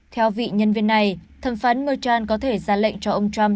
theo vị nhân viên này thẩm phán mechal có thể ra lệnh cho ông trump